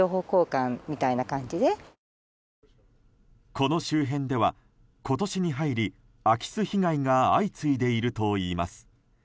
この周辺では、今年に入り空き巣被害が相次いでいるといいます。